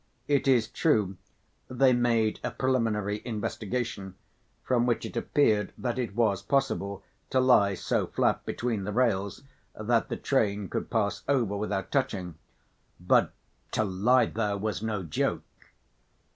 It is true they made a preliminary investigation, from which it appeared that it was possible to lie so flat between the rails that the train could pass over without touching, but to lie there was no joke!